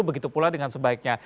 begitu pula dengan sebaiknya